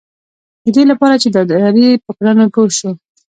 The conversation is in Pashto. ددې لپاره چې د ادارې په کړنو پوه شو.